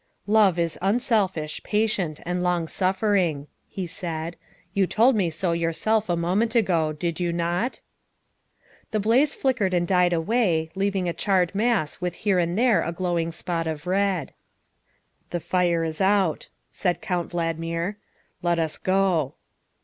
" Love is unselfish, patient, and long suffering, " he said; " you told me so yourself a moment ago, did you not?" The blaze flickered and died away, leaving a charred mass with here and there a glowing spot of red. " The fire is out," said Count Valdmir, " let us go."